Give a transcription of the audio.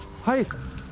はい！